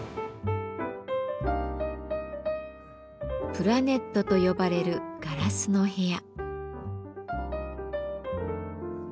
「プラネット」と呼ばれるガラスの部屋。